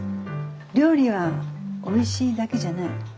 料理はおいしいだけじゃない。